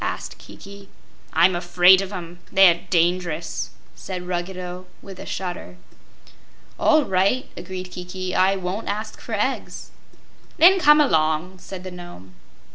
asked Kiki. "I'm afraid of 'em; they're dangerous!" said Ruggedo, with a shudder. "All right," agreed Kiki; "I won't ask for eggs." "Then come along," said the Nome.